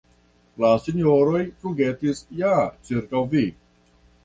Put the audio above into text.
La sinjoroj flugetis ja ĉirkaŭ vi.